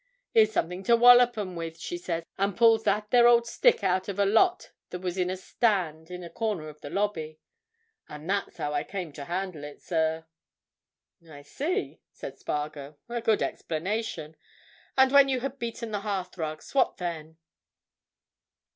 'Here's something to wallop 'em with,' she says, and pulls that there old stick out of a lot that was in a stand in a corner of the lobby. And that's how I came to handle it, sir." "I see," said Spargo. "A good explanation. And when you had beaten the hearthrugs—what then?"